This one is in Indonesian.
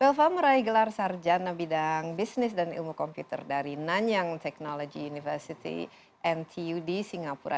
elva meraih gelar sarjana bidang bisnis dan ilmu komputer dari nanyang technology university ntud singapura